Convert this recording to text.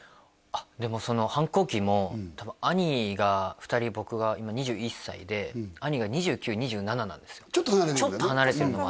でもその反抗期も多分兄が２人僕が今２１歳で兄が２９２７なんですよちょっと離れてんだね